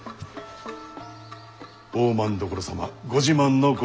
大政所様ご自慢のご